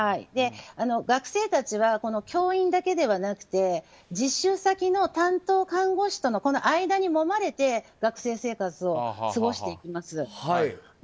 学生たちは教員だけではなくて実習先の担当看護師との間にもまれて学生生活を過ごしていきます。